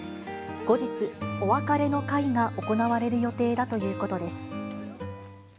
後日、お別れの会が行われる予定だということです。